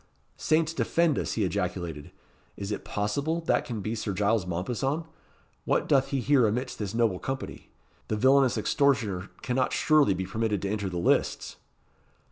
"Saints defend us!" he ejaculated. "Is it possible that can be Sir Giles Mompesson? What doth he here amidst this noble company? The villainous extortioner cannot surely be permitted to enter the lists."